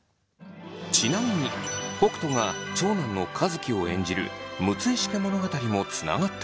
ちなみに北斗が長男の和樹を演じる「六石家物語」もつながっています。